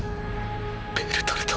ベルトルト。